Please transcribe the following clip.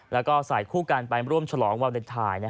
แล้วก็ใส่คู่กันไปร่วมฉลองวาเลนไทย